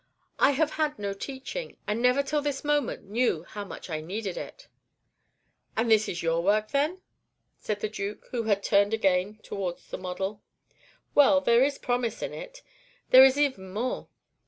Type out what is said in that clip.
"I have had no teaching, and never till this moment knew how much I needed it." "And this is your work, then?" said the Duke, who turned again towards the model. "Well, there is promise in it. There is even more.